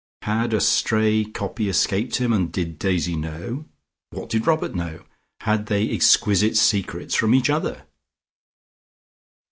Had a stray copy escaped him, and did Daisy know? What did Robert know? Had they exquisite secrets from each other?